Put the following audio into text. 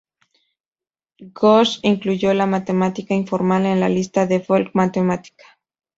Ghosh incluyó la Matemática Informal en la lista de Folk Matemática.